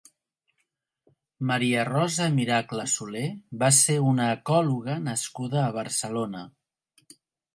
Maria Rosa Miracle Solé va ser una ecòloga nascuda a Barcelona.